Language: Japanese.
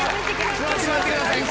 座ってください。